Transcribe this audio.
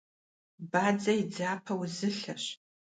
Бадзэ и дзапэ узылъэщ.